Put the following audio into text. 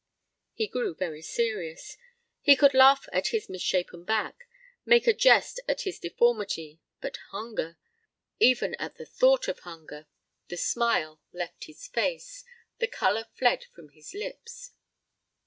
He grew very serious. He could laugh at his misshapen back, make a jest at his deformity, but hunger even at the thought of hunger the smile left his face, the color fled from his lips.